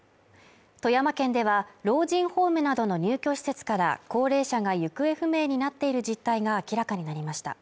富山県では、老人ホームなどの入居施設から高齢者が行方不明になっている実態が明らかになりました。